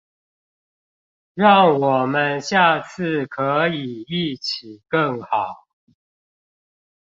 讓我們下次可以一起更好！